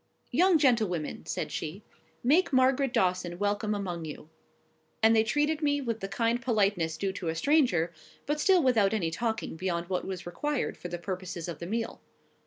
"Young gentlewomen," said she, "make Margaret Dawson welcome among you;" and they treated me with the kind politeness due to a stranger, but still without any talking beyond what was required for the purposes of the meal.